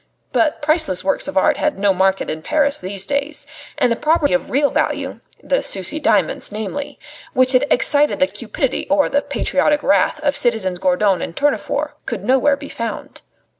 But priceless works of art had no market in Paris these days; and the property of real value the Sucy diamonds namely which had excited the cupidity or the patriotic wrath of citizens Gourdon and Tournefort could nowhere be found.